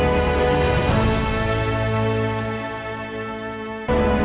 kampung dongeng indonesia